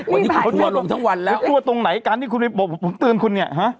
วันนี้ผมตัวลงทั้งวันแล้วตัวตรงไหนการที่คุณบอกผมตื่นคุณเนี่ยฮะ